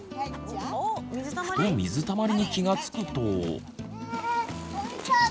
ふと「水たまり」に気がつくと。